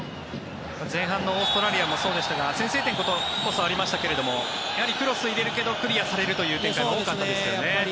前半のオーストラリアもそうでしたが先制点こそありましたがやはりクロスを入れるけどクリアされるという展開が多かったですよね。